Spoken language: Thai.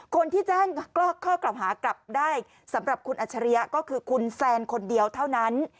คนที่แจ้งข้อกล่าวหากลับได้สำหรับคุณอัจฉริยะก็คือคุณแซนคนเดียวเท่านั้น